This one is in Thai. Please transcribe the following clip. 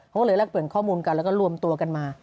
เขาก็เลยแลกเปลี่ยนข้อมูลกันแล้วก็รวมตัวกันมา